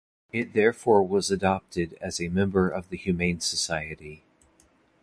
It therefore was adopted as a member of the humane society.